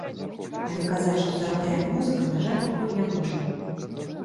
Але казаць, што зарабляем музыкай, на жаль, пакуль не можам.